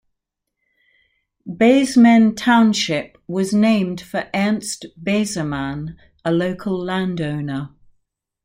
Beseman Township was named for Ernst Besemann, a local landowner.